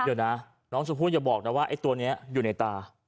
เดี๋ยวนะน้องชมพู่อย่าบอกนะว่าไอ้ตัวนี้อยู่ในตา